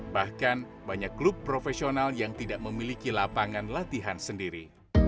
bahkan banyak klub profesional yang tidak memiliki lapangan latihan sendiri